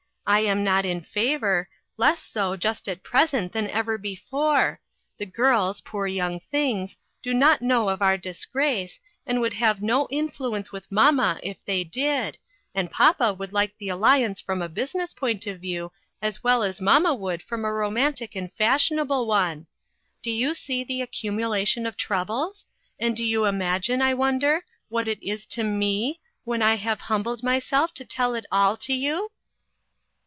I am not in favor less so just at present than ever before ; the girls, poor young things, do not know of our disgrace, and would have no influence with mamma if they did, and papa would like the alliance from a business point of view as well as mamma would from a romantic and fashionable one. Do you see the accumulation of troubles? and do you imagine, I wonder, what it is to me, when I have humbled myself to tell it all to you?"